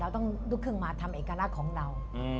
ต้องลุกขึ้นมาทำเอกลักษณ์ของเรา